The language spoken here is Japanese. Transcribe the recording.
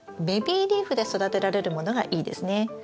ベビーリーフで育てられるものがいいですね。